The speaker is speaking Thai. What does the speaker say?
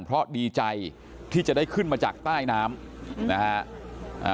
เพราะดีใจที่จะได้ขึ้นมาจากใต้น้ำนะฮะ